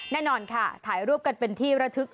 แน่นอนค่ะถ่ายรูปกันเป็นที่ระทึก